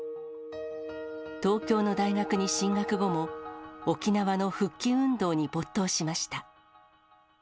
東京の大学に進学後も、沖縄の復帰運動に没頭しました。